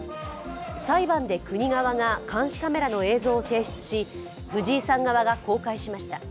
裁判で国側が監視カメラの映像を提出しフジイさん側が公開しました。